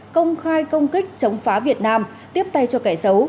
công khai công kích chống phá việt nam tiếp tay cho kẻ xấu